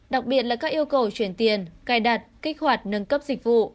đặc biệt là các yêu cầu chuyển tiền cài đặt kích hoạt nâng cấp dịch vụ